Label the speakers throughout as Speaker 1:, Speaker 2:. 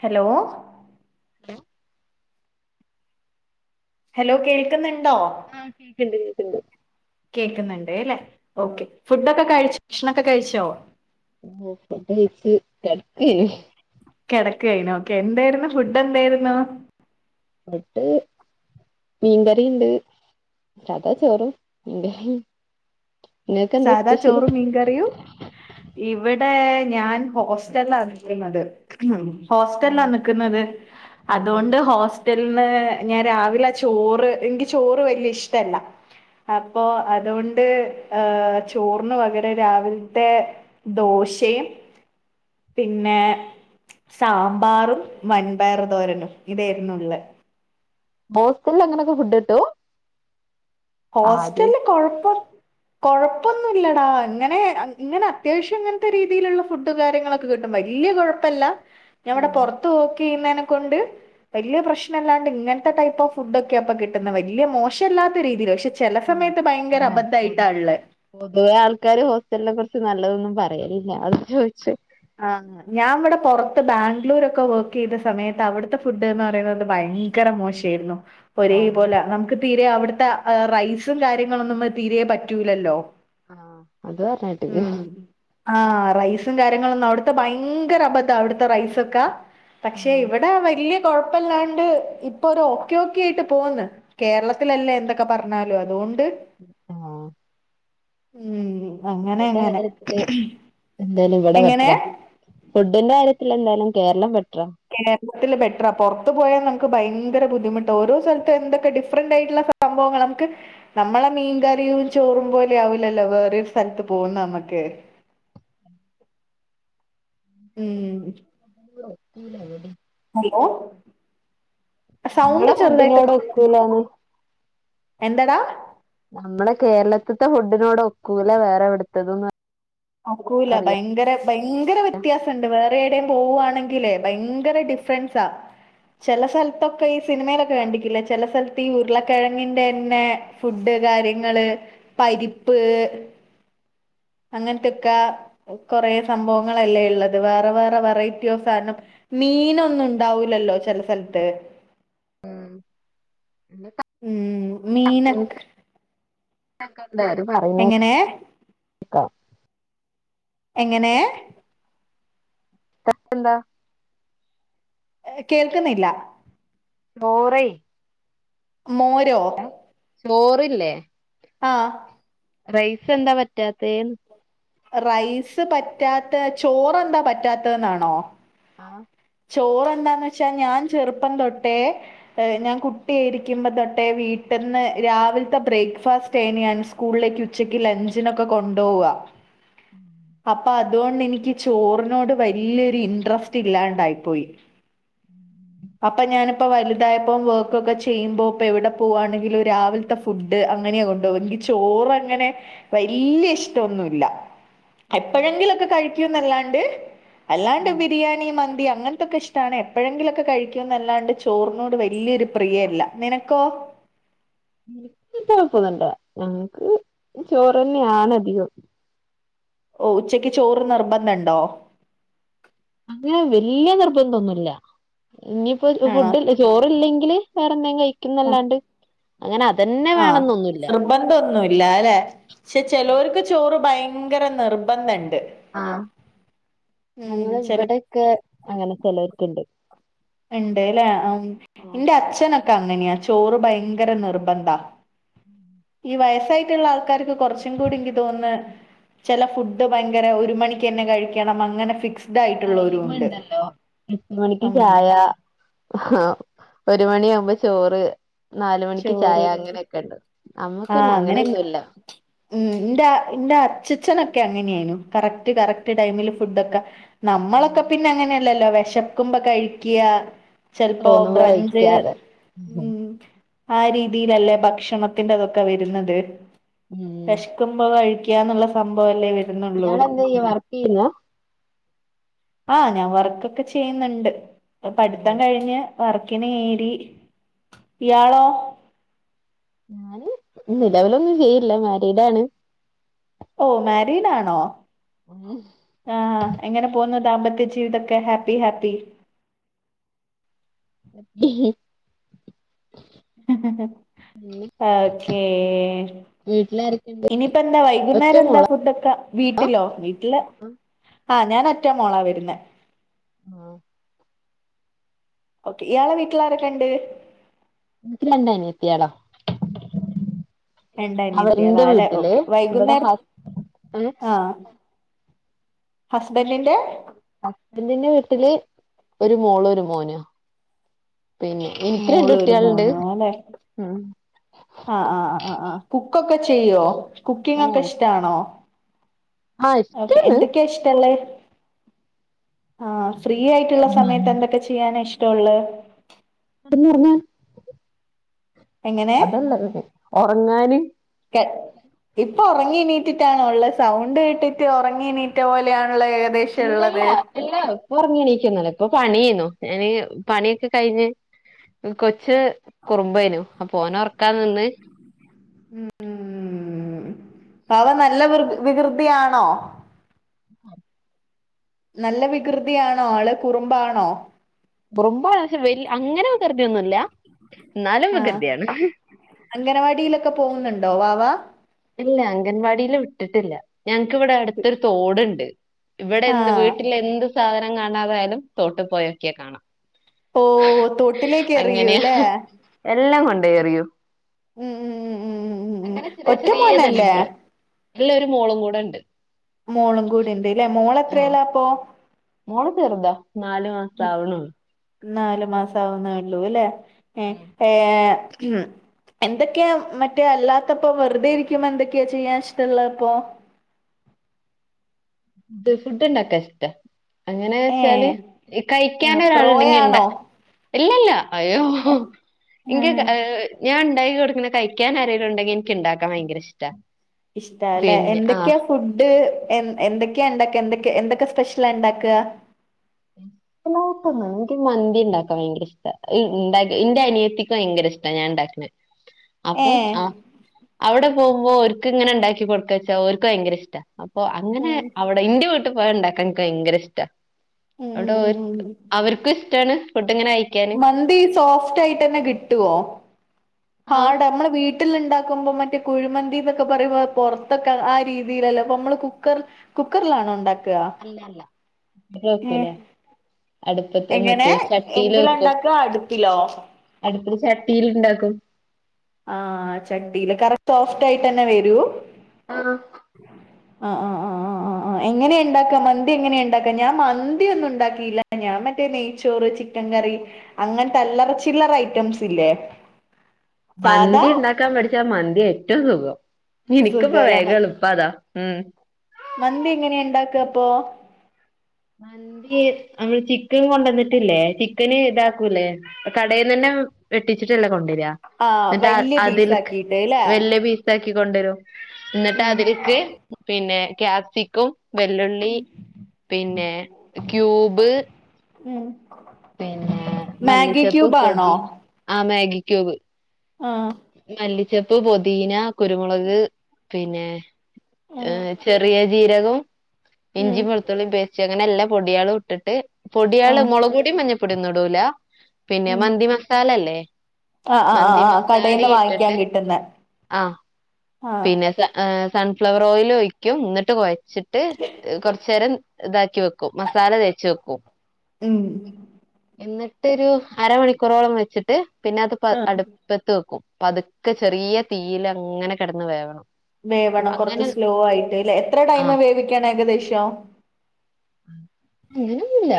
Speaker 1: Hello.
Speaker 2: ലൊ
Speaker 1: hello കേക്കുന്ന്ണ്ടോ
Speaker 2: ആഹ് കേക്കിണ്ട് കേൾക്കിണ്ട്.
Speaker 1: കേക്കുന്നുണ്ട് അല്ലേ ഓക്കേ ഫുഡൊക്കെ കഴിച്ചു ഭക്ഷണൊക്കെ കഴിച്ചോ.
Speaker 2: ഓഹ് ഫുഡായിച് കെടക്കെനി
Speaker 1: കേടാക്കേയ്നോക്കെ എന്തായിരുന്നു ഫുഡ് എന്തായിരുന്നു.
Speaker 2: മട്ട്. മീൻകറീണ്ട് സാധാ ചോറും മീൻകറീ
Speaker 1: സാദാ ചോറൂം മീൻകറിയും ഇവടെ ഞാൻ ഹോസ്റ്റല നിക്കുന്നത്. ഉം ഹോസ്റ്റലാ
Speaker 2: ഉം
Speaker 1: നിക്കുന്നത്
Speaker 2: ഉം ഉം
Speaker 1: അതുകൊണ്ട് ഹോസ് റ്റൽന്ന് ഞാൻ രാവിലെ ആ ചോറ് എനിക്ക് ചോറ് വെല്ല്യ ഇഷ്ടല്ല. അപ്പൊ അതോണ്ട്. ഏഹ് ചോറിന് പകരം രാവിലത്തെ ദോശയും പിന്നെ. സാമ്പാറും വൻപയർതോരനും ഇതായിരുന്നുള്ളെ
Speaker 2: ഹോസ്റ്റൽലങ്ങനൊക്കെ ഫുഡ്‌ ട്ടു.
Speaker 1: ഹോസ്റ്റൽല് കൊഴപ്പോ കൊഴപ്പൊന്നൂല്ലടാ ഇങ്ങനെ ഇങ്ങനെ അത്യാവശ്യം ഇങ്ങൻത്തെ രീതീൽള്ള ഫുഡ് കാര്യങ്ങളൊക്കെ കിട്ടും വല്ല്യ കൊഴ പ്പല്ല ഞാവടെ
Speaker 2: ഉം
Speaker 1: പൊറത്ത് വെക്കെയ്യ്ന്നെനെ കൊണ്ട്. വെല്ല്യ പ്രശ്നല്ലാണ്ട് ഇങ്ങൻത്തെ ടൈപ്പ്ഓഫ് ഫുഡ്ക്കെ ഇപ്പ കിട്ടുന്നെ വെല്ല്യ മോശല്ലാത്ത രീതില് വഷ് ചെല
Speaker 2: ഉം
Speaker 1: സമയത്ത് ഭയങ്കര അബദ്ധയിട്ടള്ള.
Speaker 2: പൊതുവെ ആൾക്കാര് ഹോസ്റ്റൽനെ കുറച്ച് നല്ലതൊന്നും പറയലില്ല അതാ ചോയ്ച്ചെ
Speaker 1: ആഹ് ഞാൻ വടെ പൊറത്ത് ബാംഗ്ലൂരൊക്കെ വർക്കേയ്ത സമയത്ത് അവിടുത്തെ ഫുഡ് ന്ന് പറയുന്നത് ഭയ ഭയങ്കര മോശായിരുന്നു. ഒരേ
Speaker 2: ആഹ്
Speaker 1: പോല നമുക്ക് തീരെ അവിടുത്തെ റൈസും കാര്യങ്ങളൊന്നും തീരേ പറ്റൂലല്ലോ.
Speaker 2: ആഹ അത് പറഞ്ഞാട്ടക്ക്.
Speaker 1: ഉം ആഹ് റൈസും കാര്യങ്ങളൊന്നും അവിടുത്തെ ഭയങ്കര അബദ്ധ അവിടുത്തെ റൈസൊക്ക. പക്ഷെ
Speaker 2: ഉം
Speaker 1: ഇവടെ വല്ല്യ കൊഴപ്പല്ലാണ്ട് ഇപ്പൊ ഒരു ഒക്കെ ഒക്കെ ആയിട്ട് പോന്ന്. കേരളത്തിലല്ലേ എന്തൊക്കെ പറഞ്ഞലു അതോണ്ട്.
Speaker 2: ആഹ്.
Speaker 1: ഉം അങ്ങനെ
Speaker 2: ഫുഡിന്റെ
Speaker 1: അങ്ങനെ.
Speaker 2: കാര്യത്തില് എന്തായാലും ഇവിടെ
Speaker 1: എങ്ങനെ?
Speaker 2: ബെട്ടര ഫുഡിന്റെ കാര്യത്തി എന്തായാലും കേരളം ബെട്ടര.
Speaker 1: കേരളത്തിൽ ബെറ്ററാ പൊറത്ത് പോയാ നമുക്ക് ഭയങ്കര ബുദ്ധിമുട്ട ഓരോ സ്ഥലതും എന്തൊക്കെ ഡിഫറന്റ് ആയിട്ടുള്ള സംഭവങ്ങളൊക്കെ നമ്മളെ മീൻകറിയും ചോറും പോലെ ആവലല്ലോ വേറൊരു സ്ഥലത്ത് പോകുന്ന നമ്മക്ക് [inaudible] ഉം
Speaker 2: [inaudible]
Speaker 1: ഹലോ സൗണ്ട്
Speaker 2: നമ്മളെ
Speaker 1: ചെറുതായിട്ട്
Speaker 2: ഫുഡിനോട് ഒക്കൂലാന്ന്
Speaker 1: എന്തടാ.
Speaker 2: നമ്മള് കേരളത്തിത്തെ ഫുഡിനോട് ഒക്കൂല വേറെ എവിടുത്തെ.
Speaker 1: ആക്കൂല ഭയങ്കര. ഭയങ്കര വ്യത്യാസംഉണ്ട് വേറെ എവിടെയും പോവാണെങ്കില് ഭയങ്കര ഡിഫറൻസാ ചില സ്ഥലത്തൊക്കെ ഈ സിനിമയിലൊക്കെ കണ്ടിക്കില്ല ചില സ്ഥലത്ത് ഈ ഉരുളക്കിഴങ്ങിന്റെ തന്നെ. ഫുഡ് കാര്യങ്ങള് പരിപ്പ്. അങ്ങനത്തൊക്കെ കുറേ സംഭവങ്ങളല്ലേ ഉള്ളത് വേറെ വേറെ വെറൈറ്റി ഓഫ് സാധനം. മീനൊന്നും ഉണ്ടാവൂലല്ലോ ചില സ്ഥലത്ത്.
Speaker 2: ഉം
Speaker 1: ഉം
Speaker 2: ന്ത
Speaker 1: മീനൊക്കെ
Speaker 2: പറയുന്ന [inaudible]
Speaker 1: എങ്ങനെ എങ്ങനെയ....
Speaker 2: [unintelligible]
Speaker 1: കേൾക്കുന്നില്ല
Speaker 2: ചോറയ്.
Speaker 1: മോരോ.
Speaker 2: ചോറില്ലേ.
Speaker 1: ആ..
Speaker 2: റൈസ് എന്താ പറ്റാത്ത.?
Speaker 1: റൈസ് പറ്റാത്ത ചോറെ എന്താ പറ്റാത്തന്നാണോ?
Speaker 2: ആഹ..
Speaker 1: ചോറെ എന്താന്ന് വെച്ചാ ഞാൻ ചെറുപ്പം തൊട്ടേ. ഞാൻ കുട്ടിയായിരിക്കുമ്പോ തൊട്ടേ വീട്ടന്ന് രാവിലത്തെ ബ്രേക്ക്ഫാസ്റ്റ് എനാണ്. സ്കൂളിലേക്ക് ഉച്ചക്ക് ലഞ്ചിനൊക്കെ കൊണ്ടു പോവുക. അപ്പൊ അതുകൊണ്ട് എനിക്ക് ചോറിനോട് വലിയൊരു ഇന്ട്രസ്റ്റ് ഇല്ലാണ്ടായി. പോയി.. അപ്പൊ ഞാനിപ്പോ വലുതായപ്പോ വർക്കൊക്കെ ചെയ്യുമ്പോ ഇപ്പ എവിടെ പോവുവാണെങ്കിലും രാവിലത്തെ. ഫുഡ് അങ്ങനെയ കൊണ്ടോകും എനിക്ക് ചോറ് അങ്ങനെ വല്യ ഇഷ്ടം ഓന്നുമല്ല. എപ്പോഴെങ്കിലും ഒക്കെ കഴിക്കുംന്നല്ലാണ്ട് അല്ലാണ്ട് ബിരിയാണി മന്തി അങ്ങനത്തൊക്കെ ഇഷ്ടാണ് എപ്പോഴെങ്കിലും ഒക്കെ കഴിക്കുംന്നല്ലാണ്ട് ചോറിനോട് വലിയൊരു പ്രിയയല്ല നിനക്കോ.
Speaker 2: കൊഴപ്പം ഒന്നും ഇല്ല ഞങ്ങക്ക് ചോറ് തന്നെ ആണ് അധികം
Speaker 1: ഓഹ് ഉച്ചയ്ക്ക് ചോറ് നിർബന്ധംണ്ടോ
Speaker 2: അങ്ങനെ വല്യ നിർബന്ധം ഒന്നുല്ല ഇനി ഇപ്പൊ
Speaker 1: ആണോ
Speaker 2: ഫുഡ ചോറില്ലെങ്കില് വേറെ എന്തെങ്കിലും
Speaker 1: ആഹ്
Speaker 2: കഴിക്കുന്നല്ലാണ്ട് അങ്ങനെ അതന്നെ
Speaker 1: ആഹ്
Speaker 2: വേണന്നൊന്നുല്ല
Speaker 1: ശ്ര നിർബന്ധം ഒന്നുല്ല അല്ലെ പക്ഷെ ചെലോർക്ക് ചോറ് ഭയങ്കര നിർബന്ധണ്ട്
Speaker 2: ആഹ്
Speaker 1: ഉം
Speaker 2: ഞങ്ങളെ
Speaker 1: ചെലോ
Speaker 2: ഇവിടൊക്കെ അങ്ങനെ ചെലോർക്കുണ്ട്
Speaker 1: ഇണ്ട്ലേ ഇന്റെ അച്ഛനൊക്കെ അങ്ങനെയാ ചോറ് ഭയങ്കര നിർബന്ധാ
Speaker 2: ഉം
Speaker 1: ഈ വയസ്സായിട്ടുള്ള ആൾക്കാർക്ക് കുറച്ചും കൂടി എനിക്ക് തോന്ന്ന്ന് ചില ഫുഡ് ഭയങ്കര ഒരു മണിക്ക് തന്നെ കഴിക്കും
Speaker 2: ആഹ് ടൈമ് ഇണ്ടല്ലോ എട്ടുമണിക്ക്
Speaker 1: ഉം
Speaker 2: ചായ ആഹ ഒരു മണിയാമ്പൊ ചോറ് നാല് മണിക്ക് ചായ
Speaker 1: ചോറ്
Speaker 2: അങ്ങനെ ഒക്കെ ഉണ്ട് നമ്മുക്ക്
Speaker 1: ആഹ്
Speaker 2: പിന്നെ അങ്ങനെ
Speaker 1: അങ്ങനെയൊക്കെ
Speaker 2: ഒന്നുല്ല
Speaker 1: ഉം ഇന്റെ ഇന്റെ അച്ചഛനൊക്കെ അങ്ങനെയായിരുന്നു കറക്റ്റ് കറക്റ്റ് ടൈമിൽ ഫുഡൊക്കെ നമ്മളൊക്കെ പിന്നെ അങ്ങനെ അല്ലല്ലോ വെശക്കുമ്പൊ കഴിക്യാ ചെലപോ
Speaker 2: തോന്നുമ്പോ
Speaker 1: ബ്രഞ്ച്
Speaker 2: കഴിക്കാതെ
Speaker 1: ഉം ആ രീതീലല്ലേ ഭക്ഷണത്തിന്റെ ഇതൊക്കെ വരുന്നത് വെഷ് ക്കുമ്പോ കഴിക്കാന്നുള്ള സംഭവല്ലേ വെര്ന്നൊള്ളൂ
Speaker 2: ഇയാളെന്താ ചെയ്യ വർക്ക് ചെയ്യുന്നോ
Speaker 1: ആഹ് ഞാൻ വർക്കൊക്കെ ചെയ്യുന്ന്ണ്ട് ഇപ്പം പടിത്തം
Speaker 2: ആഹ്
Speaker 1: കഴിഞ്ഞ് വർക്കിന് കേറി ഇയാളോ
Speaker 2: ഞാന് നിലവിലൊന്നും ചെയ്യില്ല മാരീഡാണ്
Speaker 1: ഓഹ് മാരീഡാണോ
Speaker 2: ഉം
Speaker 1: ആഹ് എങ്ങനെ പോവുന്നു ദാമ്പത്യ ജീവിതൊക്കെ ഹാപ്പി ഹാപ്പി
Speaker 2: [unintelligible]
Speaker 1: ഓക്കേ
Speaker 2: വീട്ട്ലാരെക്കെണ്ട്
Speaker 1: ഇനിപ്പൊ എന്താ വൈകുന്നേരെന്താ ഫുഡൊക്ക വീട്ടിലോ വീട്ടില് ആഹ് ഞാൻ ഒറ്റ മോളാ വരുന്നെ
Speaker 2: ആഹ്
Speaker 1: ഓക്കെ ഇയാളെ വീട്ടിലാരൊക്കെണ്ട്
Speaker 2: ഇൻക്ക് രണ്ട് അനിയത്യാള
Speaker 1: രണ്ടനിയത്യാളാലെ ഓക്കെ
Speaker 2: ഇവിടെ
Speaker 1: വൈകുന്നേരം
Speaker 2: ഹസ്
Speaker 1: ആഹ് ഹസ്ബന്റിന്റെ
Speaker 2: ഹസ്ബന്റിന്റെ വീട്ടില് ഒരു മോളു ഒരു മോനു പിന്നെ ഇൻക്ക് രണ്ട്
Speaker 1: മോളും ഒരു
Speaker 2: കുട്ട്യാള്ണ്ട് ഉം
Speaker 1: ആഹ് ആഹ് ആഹ് ആഹ് കുക്കൊക്കെ ചെയ്യോ കുക്കിംഗൊക്കെ
Speaker 2: ഓഹ്
Speaker 1: ഇഷ്ടാണോ
Speaker 2: ആഹ്
Speaker 1: ഓക്കെ
Speaker 2: ഇഷ്ടാണ്
Speaker 1: എന്തൊക്കെയാ ഇഷ്ടള്ളത് ആഹ് ഫ്രീ ആയിട്ട്ള്ള സമയത്ത് എന്തൊക്കെ ചെയ്യാനാ ഇഷ്ട്ടൊള്ളത് എങ്ങനെ
Speaker 2: [unintelligible] ഒറങ്ങാന്
Speaker 1: [unintelligible] ഇപ്പൊ ഒറങ്ങി എണീറ്റിട്ടാണോ ഇള്ളത് സൗണ്ട് കേട്ടിട്ട് ഒറങ്ങി എനീറ്റ പോലെയാണ്ള്ള
Speaker 2: ഇല്ല ഇല്ല ഇല്ല ഇപ്പൊറങ്ങിണീക്കൊന്നല്ല ഇപ്പൊ പണിയേന്നു ഞാന് പണിയൊക്കെ കഴിഞ്ഞ് കൊച്ച് കുറുമ്പേനു അപ്പൊ ഓനെ ഒർക്കാൻ നിന്ന്
Speaker 1: വാവ നല്ല വിർ വികൃതിയാണോ
Speaker 2: ഉം
Speaker 1: നല്ല വികൃതിയാണോ ആള് കുറുമ്പാണോ
Speaker 2: കുറുമ്പാണോ ചോയ്ച്ചാ വെ അങ്ങനെ വികൃതിയൊന്നുവില്ല എന്നാലും
Speaker 1: ആഹ്
Speaker 2: വികൃതിയാണ്
Speaker 1: അംഗനവാടിയിലൊക്കെ പോവുന്നുണ്ടോ വാവ
Speaker 2: ഇല്ല അംഗൻവാടീല് വിട്ടിട്ടില്ല ഞങ്ങക്ക് ഇവടെ അടുത്തൊരു തോടുണ്ട് ഇവിടെ എന്ത്
Speaker 1: ആഹ്
Speaker 2: വീട്ടിലെന്ത് സാധനം കാണാതായാലും തോട്ടിൽ പോയി നോക്കിയാൽ കാണാം
Speaker 1: ഓ തൊട്ടിലേക്ക്
Speaker 2: അങ്ങനെയാ
Speaker 1: എറിയൂല്ലേ
Speaker 2: എല്ലാം കൊണ്ടോയി ഏറിയും
Speaker 1: ഉം ഉം ഉം ഉം ഉം ഉം
Speaker 2: അങ്ങനെ ചെറിയ
Speaker 1: ഒറ്റ
Speaker 2: ചെറിയ
Speaker 1: മോനല്ലേ
Speaker 2: പണികള് ഇനി ഒരു മോളും കൂടെയുണ്ട്
Speaker 1: മോളും കൂടിണ്ട് ഇല്ലേ മോള്
Speaker 2: ആ
Speaker 1: എത്രയിലാ അപ്പൊ
Speaker 2: മോള് ചെറുതാ നാല് മാസം ആവണേയുള്ളു
Speaker 1: നാല് മാസം ആവുന്നേ ഉള്ളൂ അല്ലേ ഏ ഏ എന്തൊക്കെയാ മറ്റേ അല്ലാത്തപ്പോ വെറുതെ ഇരിക്കുമ്പോ എന്തൊക്കെയാ ചെയ്യാൻ ഇഷ്ടവൊള്ളത് അപ്പോ
Speaker 2: ഫുഡുണ്ടാക്കാൻ ഇഷ്ടാ അങ്ങനെ വച്ചാല്
Speaker 1: ഏഹ് ആഹ്
Speaker 2: കഴിക്കാനൊരാള് ഉണ്ടെങ്കി ഇണ്ടാ
Speaker 1: പ്രോയാണോ
Speaker 2: ഇല്ലില്ല അയ്യോ ഇൻക് ഏഹ് ഞാൻ ഇണ്ടാക്കി കൊടുക്കണത് കഴിക്കാൻ ആരേലും ഉണ്ടെങ്കി എനിക്ക് ഉണ്ടാക്കാൻ ഭയങ്കര ഇഷ്ടവാ
Speaker 1: ഇഷ്ടവാ അല്ലേ എന്തൊക്കെയാ ഫുഡ് എ എന്തൊക്കെയാ ഉണ്ടാക്കുക എന്തൊക്കെ എന്തൊക്കെ സ്പെഷ്യലാ ഉണ്ടാക്കുക
Speaker 2: [unintelligible] മന്തി മന്തി ഉണ്ടാക്കാൻ ഭയങ്കര ഇഷ്ടവാ എന്റെ എന്റെ അനിയത്തിക്ക് ഭയങ്കര ഇഷ്ടവാ ഞാൻ ഉണ്ടാക്കണേ അപ്പൊ
Speaker 1: ഏഹ്
Speaker 2: ആ അവിടെ പോകുമ്പോ ഓർക്ക് ഇങ്ങനെ ഉണ്ടാക്കി കൊടുക്കാച്ചാ ഓർക്ക് ഭയങ്കര ഇഷ്ടവാ അപ്പോ അങ്ങനെ
Speaker 1: ഉം
Speaker 2: അവിടെ ഇന്റെ വീട്ടിൽ പോയി ഉണ്ടാക്കാൻ എനിക്ക് ഭയങ്കര ഇഷ്ടവാ
Speaker 1: ഉം
Speaker 2: അവിടെ
Speaker 1: ഉം ഉം
Speaker 2: അവർക്കും ഇഷ്ടവാണ് ഫുഡിങ്ങനെ കയി
Speaker 1: മന്തി സോഫ്റ്റായിട്ട് തന്നെ കിട്ടുവോ
Speaker 2: ആഹ്
Speaker 1: ഹാർഡ് നമ്മള് വീ ട്ടിൽ ഉണ്ടാക്കുമ്പോ മറ്റേ കുഴിമന്തി എന്നൊക്കെ പറയുമ്പോ പൊറത്തൊക്കെ ആ രീതിയിലല്ലേ അപ്പൊ നമ്മള് കുക്കർ കുക്കറിലാണോ ഉണ്ടാ ക്കാ
Speaker 2: അല്ല അല്ല ഇവിടെ വെക്കൂല
Speaker 1: ഏഹ്
Speaker 2: അടുപ്പത്ത്
Speaker 1: എങ്ങനെ
Speaker 2: മറ്റേ
Speaker 1: എ
Speaker 2: ചട്ടിയില്
Speaker 1: ന്തിലാ
Speaker 2: വെക്കും.
Speaker 1: ഇണ്ടാക്കുക അടുപ്പിലോ
Speaker 2: അടുപ്പില് ചട്ടിയിൽ ഉണ്ടാക്കും
Speaker 1: ആഹ് ചട്ടിയില് കറക്റ്റ് സോഫ്റ്റായിട്ട് തന്നെ വരും
Speaker 2: ആഹ്
Speaker 1: ആഹ് ആഹ് ആഹ് ആഹ് ആഹ് ആഹ് എങ്ങനെയാ ഉണ്ടാക്കുക മന്തി എങ്ങനെയാ ഉണ്ടാക്കുക ഞാൻ മന്തി ഒന്നും ഉണ്ടാക്കിയില്ല ഞാൻ മറ്റേ നെയ്ച്ചോറ് ചി ചിക്കൻ കറി അങ്ങനത്തെ അല്ലറ ചില്ലറ ഐറ്റംസ് ഇല്ലേ സാധാ
Speaker 2: മന്തി ഉണ്ടാക്കാൻ പഠിച്ചാ മന്തിയാ ഏറ്റവും സുഖം എനിക്കിപ്പ
Speaker 1: സുഖലന
Speaker 2: വേഗം എ ളുപ്പം അതാ ഉം
Speaker 1: മന്തി എങ്ങനെയാ ഉണ്ടാക്കുക അപ്പൊ
Speaker 2: മന്തി നമ്മള് ചിക്കൻ കൊണ്ടന്നിട്ടില്ലേ ചിക്കന് ഇതാക്കൂല്ലേ കടയിന്ന് തന്നെ വെട്ടിച്ചിട്ടല്ലേ കൊണ്ടുരുവാ
Speaker 1: ആ
Speaker 2: എന്നിട്ട് അ
Speaker 1: വല്യ
Speaker 2: അതിൽ
Speaker 1: പീസ് ആക്കിട്ട് ല്ലേ
Speaker 2: വല്ല്യ മീൻ [unintelligible] കൊണ്ടുരും എന്നിട്ട്
Speaker 1: ഉം
Speaker 2: അതിലേക്ക് പിന്നെ ക്യാപ്സിക്കും വെല്ലുള്ളി പിന്നെ ക്യൂബ്
Speaker 1: ഉം
Speaker 2: പിന്നെ
Speaker 1: മാഗി ക്യൂബാണോ
Speaker 2: ആഹ് മാഗിക്യുബ്.
Speaker 1: ആഹ്
Speaker 2: മല്ലിച്ചപ്പ് പൊതീന കുരുമുളക് പിന്നെ ഏ
Speaker 1: ആഹ്
Speaker 2: ചെറിയ ജീരകവും ഇഞ്ചി
Speaker 1: ഉം
Speaker 2: വെള്ത്തുള്ളി പെ ചെ എങ്ങനെ എല്ലാ പൊടിയളും ഇട്ടിട്ട് പൊടിയള്
Speaker 1: ആഹ്
Speaker 2: മുളക് പൊടിയും മഞ്ഞപ്പൊടിയും ഒന്നും ഇടൂല പിന്നെ
Speaker 1: ഉം
Speaker 2: മന്തി മസാലല്ലേ മന്തി മ
Speaker 1: വിടെന്ന് വാങ്ങിക്കാൻ കിട്ടുന്ന
Speaker 2: പിന്നെ സ സൺഫ്ലവർ ഓയിൽ ഒഴിക്കും എന്നിട്ട് കൊഴച്ചിട്ട് കൊർചേരം ഇതാക്കി വെക്കും മസാല തേച് വെക്കും
Speaker 1: ഉം
Speaker 2: എന്നിട്ടൊരു അരമണിക്കൂറോളം വെച്ചിട്ട് പിന്നെ അത് പ
Speaker 1: ആഹ്
Speaker 2: അടുപ്പത്ത് വെക്കും പതുക്കെ ചെറിയ തീൽ അങ്ങനെ കിടന്ന് വേവണം
Speaker 1: വേവണം കൊറച്ച്
Speaker 2: അങ്ങനെ
Speaker 1: സ്ലോ ആയിട്ട് ഇല്ലേ എത്ര ടൈം
Speaker 2: ആഹ്
Speaker 1: വേവിക്കണം ഏകദേശം
Speaker 2: അങ്ങനൊന്നുല്ല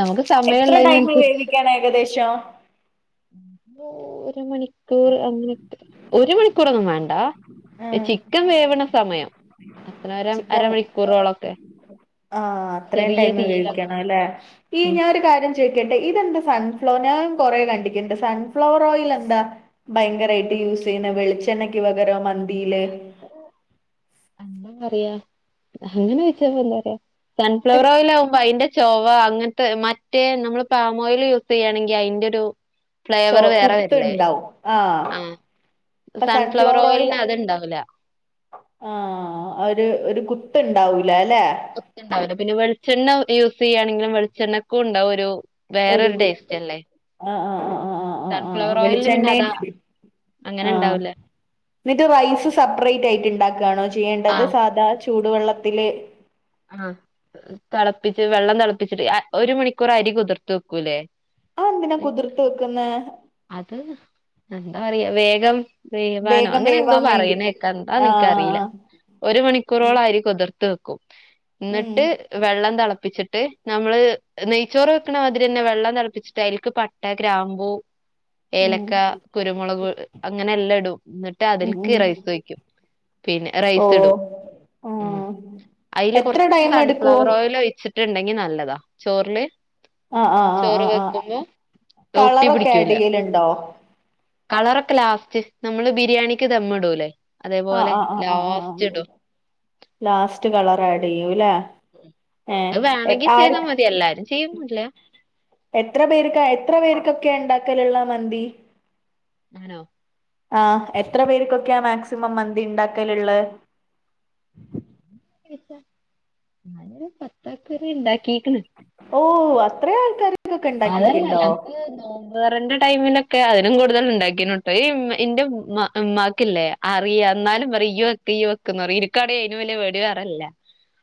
Speaker 2: നമുക്ക് സമയം
Speaker 1: എത്ര ടൈം
Speaker 2: ഉള്ളതിനനുസരിച്ച്
Speaker 1: വേവിക്കണം ഏകദേശം
Speaker 2: ഒരു മണിക്കൂർ അങ്ങനെക്കെ ഒരു മണിക്കൂർന്നും വേണ്ട എഹ്
Speaker 1: ഉം
Speaker 2: ചിക്കൻ വേവണ സമയം. അത്ര അര
Speaker 1: ച്ചിക്കൻ
Speaker 2: അരമണിക്കൂറോളൊക്കെ
Speaker 1: ആഹ് അത്രയും
Speaker 2: ചെറിയ
Speaker 1: ടൈം
Speaker 2: തീയില
Speaker 1: വേവിക്കണല്ലേ ഈ
Speaker 2: ഉം
Speaker 1: ഞാ ഒരു കാര്യം ചോയ്ക്കട്ടെ ഇതെന്താ സൺഫ്ലവർ ഞാൻ കൊറേ കണ്ടിക്കണ്ട് സൺഫ്ലവർ ഓയിൽ എന്താ? ഭയങ്കരയിട്ട് യൂസ് ചെയ്യുന്ന വെളിച്ചെണ്ണക്ക് വകരം മന്തിയില്?
Speaker 2: എന്തന്നറിയ അയ്ന് [unintelligible] അറിയാ സൺഫ്ലവർ ഓയിലാകുമ്പോ അയിന്റെ ചൊവ അങ്ങനത്തെ മറ്റേ നമ്മള് പാം ഓയിൽ യൂസെയ്യാണെങ്കി അയ്ന്റെ ഒരു
Speaker 1: ചോ
Speaker 2: ഫ്ലേവർ വേറെ വരില്ലേ
Speaker 1: കുത്തുണ്ടാവും ആഹ്
Speaker 2: ആഹ്
Speaker 1: ഇപ്പൊ
Speaker 2: സൺഫ്ലവർ
Speaker 1: ഓയിൽ
Speaker 2: ഓയിൽന് അത്ണ്ടാവുല
Speaker 1: ആഹ് ഒരു ഒരു കുത്ത് ണ്ടാവൂലാലേ
Speaker 2: ത്ണ്ടാവ് ല പിന്നെ വെളിച്ചെണ്ണ യൂസെയ്യാണെങ്കിലും വെളിച്ചെണ്ണക്കും ഉണ്ടാവും ഒരു
Speaker 1: ഒരു
Speaker 2: വേറരു
Speaker 1: കുത്ത്
Speaker 2: ടേസ്റ്റല്ലേ
Speaker 1: ആഹ് ആഹ് ആഹ് ആഹ് ആഹ് ആഹ് ആഹ്
Speaker 2: സൺഫ്ലവർ ഓയിലിന് പിന്നെ
Speaker 1: വെളിച്ചെണ്ണയും
Speaker 2: അതാ അങ്ങനെണ്ടാവൂലേ
Speaker 1: ന്നിട്ട് റൈസ് സെപ്പറേറ്റ് ആയിട്ട് ഇണ്ടാക്കാണോ ചെയ്യേണ്ടത്
Speaker 2: ആഹ്
Speaker 1: സാധാ ചൂടുവെള്ളത്തില്
Speaker 2: ആഹ് തിളപ്പിച്ച് വെള്ളം തിളപ്പിച്ചിട്ട് ഒരു മണിക്കൂർ അരി കുതിർത് വെക്കൂല്ലേ
Speaker 1: അഎന്തിനാ കുതിർത്ത് വെക്കുന്നേ
Speaker 2: അത് എന്താ പറയാ വേഗം വേവാനോ
Speaker 1: വേഗം
Speaker 2: അങ്ങനെ എന്തോ
Speaker 1: വേവാൻ വേണ്ടി
Speaker 2: പറയണേക്കാ അഒന്നും ഇൻക്കറിയില്ല
Speaker 1: ആഹ്
Speaker 2: ഒരു
Speaker 1: ഉം
Speaker 2: മണിക്കൂറോളാരി കുതിർ ത്ത് വെക്കും എന്നിട്ട്
Speaker 1: ഉം
Speaker 2: വെള്ളം തിളപ്പിച്ചിട്ട് നമ്മള് നെയ്ച്ചോറ് വെക്കണമാതിരിയെന്നെ വെള്ളം തിളപ്പിച്ചിട്ട് അതിൽക്ക് പട്ട ഗ്രാമ്പൂ
Speaker 1: ഉം
Speaker 2: ഏലക്ക കുരുമുളക് അങ്ങനെ എല്ലാം ഇടും എന്നിട്ട്
Speaker 1: ഉം ഉം
Speaker 2: അതിൽക്ക് റൈസ് വയ്ക്കും പിന്നെ
Speaker 1: ഓ
Speaker 2: റൈസ് ഇടു ഉം
Speaker 1: ആഹ്
Speaker 2: ഇല്
Speaker 1: എത്ര
Speaker 2: കുറച്ച്
Speaker 1: ടൈം എടുക്കും
Speaker 2: സൺഫ്ലവർ ഓയിൽ ഒഴിച്ചിട്ടുണ്ടെങ്കി നല്ലതാ ചോറ്ല്
Speaker 1: ആഹ് ആഹ് ആഹ്
Speaker 2: ചോറ്
Speaker 1: ആഹ് ആഹ്
Speaker 2: വെക്കുമ്പോ ഒട്ടി
Speaker 1: കളറൊക്കെ ആഡ്
Speaker 2: പിടിക്കൂല
Speaker 1: ചെയ്യലുണ്ടോ
Speaker 2: കളറൊക്കെ ലാസ്റ്റ് നമ്മള് ബിരിയാണിക്ക് ദമ്മ് ഇടൂല്ലേ
Speaker 1: ആഹ്
Speaker 2: അതേപോലെ
Speaker 1: ആഹ് ആഹ് ആഹ്
Speaker 2: ലാസ്റ്റ്
Speaker 1: ആഹ്
Speaker 2: ഇടും
Speaker 1: ലാസ്റ്റ് കളർ ആഡയ്യൂല്ലേ
Speaker 2: അഹ് വേണങ്കി ചെയ്താ മതി എല്ലാരും ചെയ്യന്നുല്ല
Speaker 1: എത്ര പേർക്ക് എത്ര പേർക്കൊക്കെ ണ്ടാക്കലുള്ളെ മന്തി
Speaker 2: ആണോ
Speaker 1: ആഹ് എത്ര പേർക്കൊക്കെയാ മാക്സിമം മന്തി ണ്ടാക്കലുള്ളെ
Speaker 2: ഞാനൊരു പത്താക്ക് വരെ ഇണ്ടാക്കീക്ക്ണ്
Speaker 1: ഓഹ് അത്രേ ആൾക്കാർ
Speaker 2: അതല്ല ഞങ് ക് നോമ്പ് തൊറന്റെ ടൈമിലൊക്കെ അതിനും കൂടുതല്ണ്ടാക്കീണ് ട്ടോ ഈ ഇന്റെ ഉ ഉമ്മാക്കില്ലേ അറിയ, ന്നാലും പറ്യും ഇയ്യ്‌ വെക്ക് ഇയ്യ്‌ വെക്ക്ന്നപറ്യു. ഇനിക്കാണെങ്കി അയ്ലും വല്യ പേടി വേറല്ല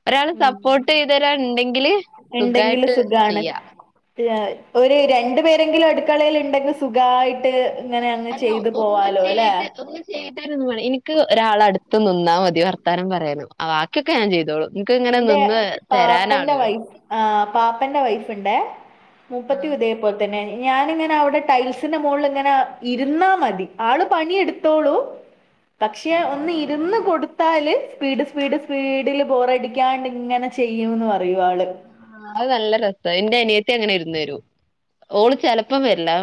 Speaker 2: ഒരാള് സപ്പോട്ട്
Speaker 1: ഉം
Speaker 2: ചെയ്തെരാൻണ്ടെങ്കില്
Speaker 1: ഇണ്ടെങ്കില്
Speaker 2: സുഖായിട്ട്
Speaker 1: സുഖാണ്
Speaker 2: ചെയ്യാ
Speaker 1: ഒരു രണ്ട് പേരെങ്കിലും അടുക്കളേല്ണ്ടെങ്കില് സുഗായിട്ട് ഇങ്ങനെ അങ്ങ് ചെയ്തു പോവാലോ അല്ലേ
Speaker 2: [unintelligible] ഇന്ക്ക് ഒരാളട്ത്ത് നിന്നാ മതി. വർത്താനം പറയാന്, ബാക്കിയൊക്കെ ഞാൻ ചെയ്തോളു ഇൻക്ങ്ങനെ നിന്ന് തരാനാള് വേണം
Speaker 1: ആഹ് പാപ്പന്റെ വൈഫ്ണ്ടേ,
Speaker 2: ആ,
Speaker 1: മൂപ്പത്ത്യു ഇതേ പോൽതന്നെ ഞാനിങ്ങനെ അവിടെ ടൈൽസിന്റെ മോൾള്ങ്ങനെ ഇരുന്നാ മതി, ആള് പണിയെടുത്തോളും പക്ഷെ ഒന്ന് ഇരുന്ന് കൊടുത്താല് സ്പീഡ് സ്പീഡ് സ്പീഡില് ബോറടി ക്യാണ്ട്ങ്ങനെ ചെയ്യൂന്ന് പറയു ആള്
Speaker 2: ആഹ് അത് നല്ല രസ, ഇന്റെ അനിയത്ത്യങ്ങനെ ഇര്ന്നെരും. ഓള് ചെലപ്പം വെര്ലാ